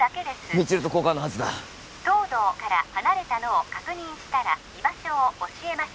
未知留と交換のはずだ東堂から離れたのを確認したら居場所を教えます